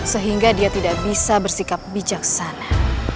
sehingga dia tidak bisa bersikap bijaksana